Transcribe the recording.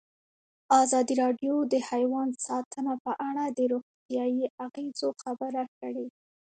ازادي راډیو د حیوان ساتنه په اړه د روغتیایي اغېزو خبره کړې.